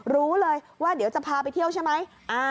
รู้เลยว่าเดี๋ยวจะพาไปเที่ยวใช่ไหม